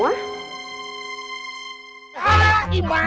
ngumpul disana semua